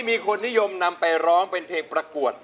มีคนนิยมนำไปร้องเป็นเพลงประกวด